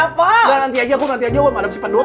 nanti aja aku nanti aja mau ngeadopsi pedut